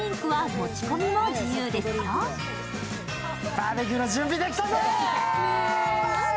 バーベキューの準備できたぜ！